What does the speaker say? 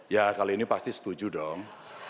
ya kali ini pasti setuju dong